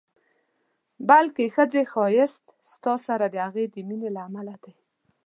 بلکې ښځې ښایست ستا سره د هغې د مینې له امله دی.